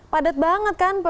padet banget kan